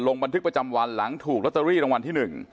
ลงบันทึกประจำวันหลังถูกลอตเตอรี่รางวัลที่๑